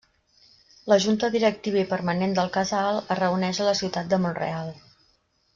La Junta Directiva i Permanent del Casal es reuneix a la ciutat de Mont-real.